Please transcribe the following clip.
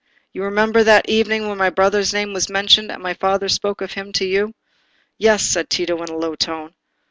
You remember that evening when my brother's name was mentioned and my father spoke of him to you?" "Yes," said Tito, in a low tone.